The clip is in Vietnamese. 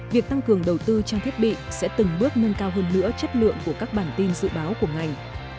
việc tăng cường đầu tư trang thiết bị sẽ từng bước nâng cao hơn nữa chất lượng của các bản tin dự báo của ngành